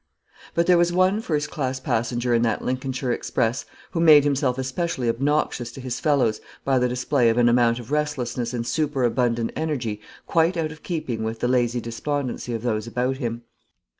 But there was one first class passenger in that Lincolnshire express who made himself especially obnoxious to his fellows by the display of an amount of restlessness and superabundant energy quite out of keeping with the lazy despondency of those about him.